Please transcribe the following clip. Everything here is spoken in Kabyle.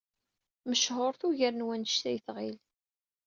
Mechuṛet ugar n wanect ay tɣil.